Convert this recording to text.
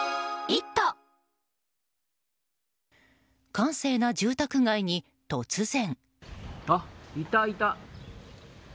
閑静な住宅街に突然。